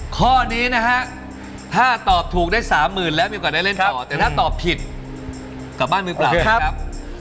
ข้อนี้นะฮะถ้าตอบถูกได้๓๐๐๐๐แล้วมีเวลาได้เล่นต่อแต่ถ้าตอบผิดก็บ้านมือปลอดครับ